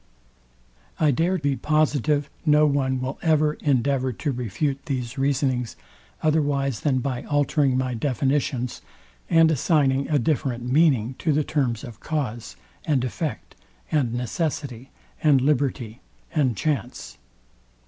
I dare be positive no one will ever endeavour to refute these reasonings otherwise than by altering my definitions, and assigning a different meaning to the terms of cause, and effect, and necessity, and liberty, and chance.